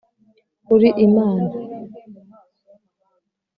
uri imana